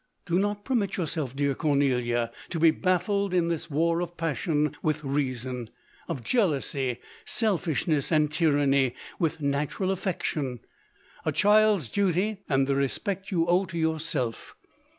Do not permit yourself, dear Cor nelia, to be baffled in this war of passion with rea son ; of jealousy, selfishness, and tyranny, with natural affection, a child's duty, and the respect you owe to yourself.